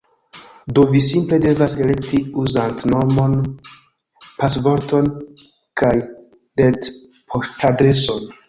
Do vi simple devas elekti uzantnomon pasvorton kaj retpoŝtadreson